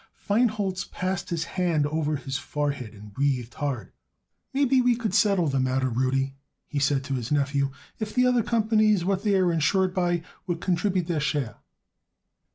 Feinholz passed his hand over his forehead and breathed hard. "Maybe we could settle the matter, Rudy," he said to his nephew, "if the other companies what they are insured by would contribute their share."